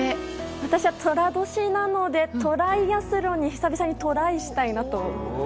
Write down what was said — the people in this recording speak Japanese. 私は、とら年なのでトライアスロンに久々にトライしたいなと。